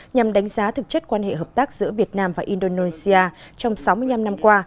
nhằm đánh giá thực chất quan hệ hợp tác giữa việt nam và indonesia trong sáu mươi năm năm qua